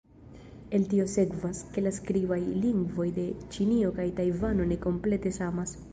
El tio sekvas, ke la skribaj lingvoj de Ĉinio kaj Tajvano ne komplete samas.